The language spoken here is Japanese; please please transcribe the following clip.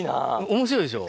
面白いでしょ。